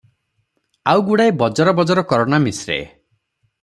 ଆଉ ଗୁଡ଼ାଏ ବଜର ବଜର କରନା ମିଶ୍ରେ ।